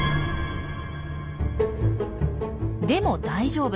でも大丈夫。